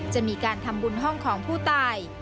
จะมีการทำบุญห้องของผู้ตาย